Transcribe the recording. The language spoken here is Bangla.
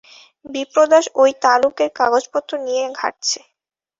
বিপ্রদাস ঐ তালুকের কাগজপত্র নিয়ে ঘাঁটছে।